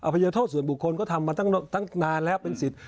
ภัยโทษส่วนบุคคลก็ทำมาตั้งนานแล้วเป็นสิทธิ์